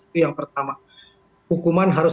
itu yang pertama hukuman harus